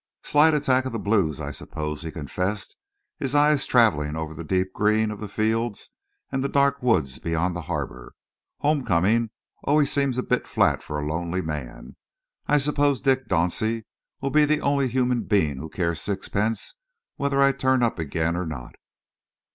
"Slight attack of the blues, I suppose," he confessed, his eyes travelling over the deep green of the fields and the dark woods beyond the harbour. "Homecoming always seems a bit flat for a lonely man. I suppose Dick Dauncey will be the only human being who cares sixpence whether I turn up again or not."